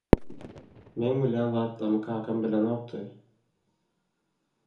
Meň bilýän zatlarymy kakam bilenokdy.